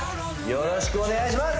よろしくお願いします